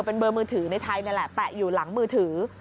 เป็นเบอร์มือถือในไทยนี่แหละแปะอยู่หลังมือถือ